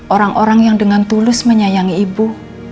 orang orang yang dengan tulus menyayangi ibu